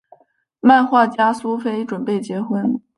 漫画家苏菲准备结婚。